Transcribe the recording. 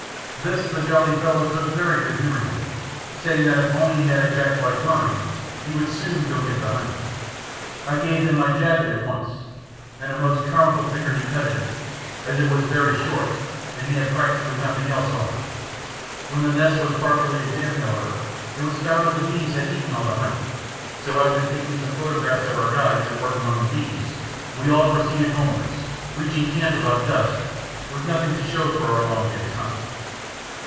This the jolly fellow took very good humouredly, saying that if he only had a jacket like mine he would soon go and get the honey. I gave him my jacket at once, and a most comical figure he cut in it, as it was very short and he had practically nothing else on. When the nest was properly examined, however, it was found that the bees had eaten all the honey; so after taking some photographs of our guides at work among the bees we all proceeded homewards, reaching camp about dusk, with nothing to show for our long day's hunt.